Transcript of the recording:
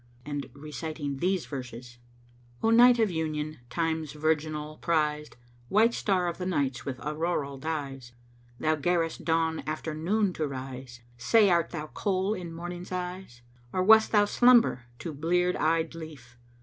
and reciting these verses, "O Night of Union, Time's virginal prized, * White star of the Nights with auroral dyes, Thou garrest Dawn after Noon to rise * Say art thou Kohl in Morning's Eyes, Or wast thou Slumber to bleared eye lief?